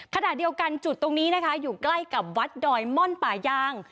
ขณะเดียวกันจุดตรงนี้นะคะอยู่ใกล้กับวัดดอยม่อนป่ายาง